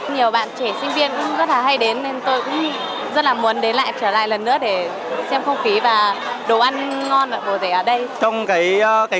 nhiều bạn trẻ sinh viên cũng rất là hay đến nên tôi cũng rất là muốn đến lại trở lại lần nữa để xem không khí và đồ ăn ngon và bổ rẻ ở đây